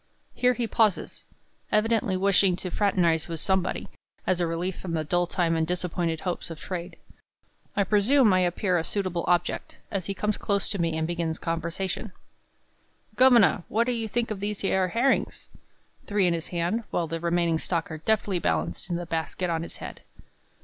Here he pauses, evidently wishing to fraternize with somebody, as a relief from the dull time and disappointed hopes of trade. I presume I appear a suitable object, as he comes close to me and begins conversation: "Governor, what do you think of these yer herrings?" three in his hand, while the remaining stock are deftly balanced in the basket on his head.